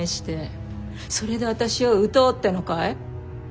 それであたしを打とうってのかい？